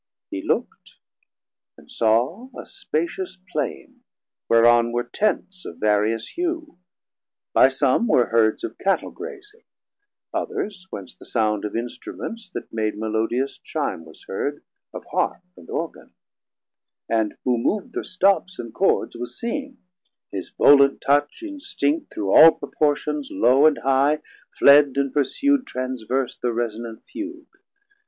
He lookd and saw a spacious Plaine, whereon Were Tents of various hue; by some were herds Of Cattel grazing: others, whence the sound Of Instruments that made melodious chime Was heard, of Harp and Organ; and who moovd Thir stops and chords was seen: his volant touch Instinct through all proportions low and high Fled and pursu'd transverse the resonant fugue.